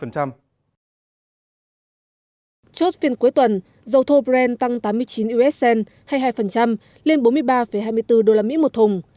trốt phiên cuối tuần dầu thorbren tăng tám mươi chín usd hay hai lên bốn mươi ba hai mươi bốn usd một thùng